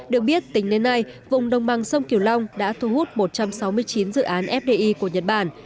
được biết tính đến nay vùng đồng bằng sông kiều long đã thu hút một trăm sáu mươi chín dự án fdi của nhật bản